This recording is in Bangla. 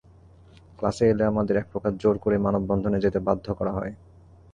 ক্লাসে এলে আমাদের একপ্রকার জোর করেই মানববন্ধনে যেতে বাধ্য করা হয়।